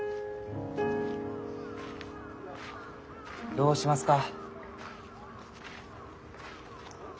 どうしますか？